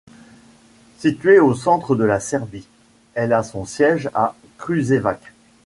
Située au centre de la Serbie, elle a son siège à Kruševac.